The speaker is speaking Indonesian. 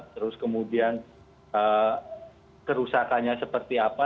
terus kemudian kerusakannya seperti apa